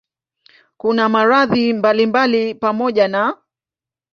Kuna maradhi mbalimbali pamoja na